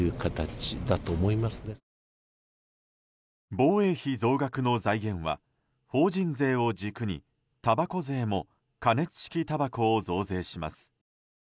防衛費増額の財源は法人税を軸に、たばこ税も加熱式たばこを増税します。